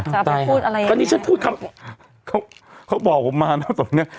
จ้ะพี่พูดอะไรอย่างเงี้ยตอนนี้ฉันพูดคำเขาเขาบอกผมมานะตรงเนี้ย